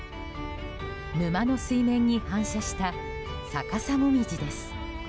沼の水面に反射した逆さ紅葉です。